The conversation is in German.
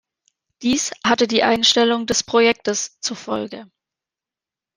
Dies hatte die Einstellung des Projektes zur Folge.